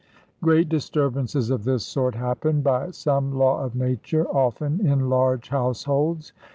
Great disturbances of this sort happen (by some law of nature), often in large households.